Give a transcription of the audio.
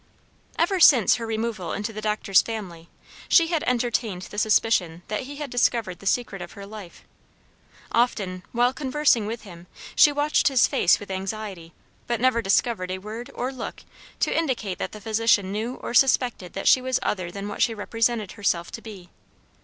Ever since her removal into the doctor's family, she had entertained the suspicion that he had discovered the secret of her life. Often while conversing with him, she watched his face with anxiety, but never discovered a word or look to indicate that the physician knew or suspected that she was other than what she represented herself to be.